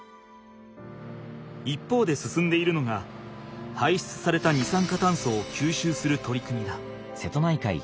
一方で進んでいるのが排出された二酸化炭素を吸収する取り組みだ。